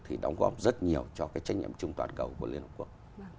thì đóng góp rất nhiều cho cái trách nhiệm chung toàn cầu của liên hợp quốc